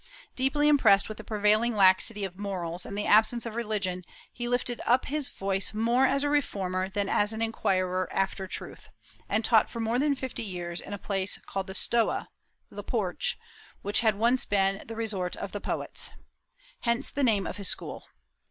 Deeply impressed with the prevailing laxity of morals and the absence of religion, he lifted up his voice more as a reformer than as an inquirer after truth, and taught for more than fifty years in a place called the Stoa, "the Porch," which had once been the resort of the poets. Hence the name of his school.